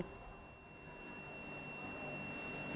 apa yang membuat anda membantu misi ini